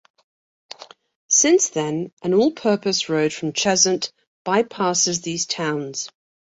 Since then, an all-purpose road from Cheshunt by-passes these towns.